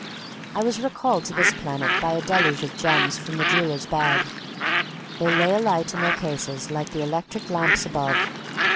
I was recalled to this planet by a deluge of gems from the jeweller's bag. They lay alight in their cases like the electric lamps above.